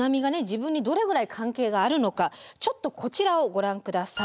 自分にどれぐらい関係があるのかちょっとこちらをご覧下さい。